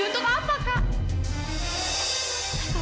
untuk apa kak